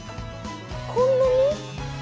こんなに？